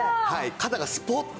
肩がスポッと。